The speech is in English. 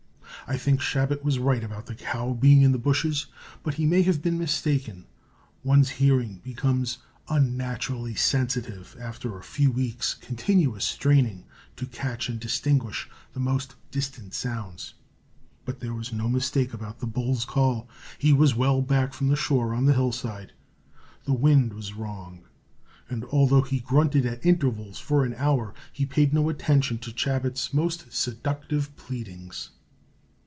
I think Chabot was right about the cow being in the bushes, but he may have been mistaken one's hearing becomes unnaturally sensitive after a few weeks' continuous straining to catch and distinguish the most distant sounds. But there was no mistake about that bull's call. He was well back from the shore on the hillside. The wind was wrong, and, although he grunted at intervals for an hour, he paid no attention to Chabot's most seductive pleadings.